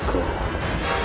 aku akan menemukanmu